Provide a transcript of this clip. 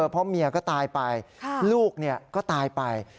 เพราะเมียก็ตายไปลูกก็ตายไป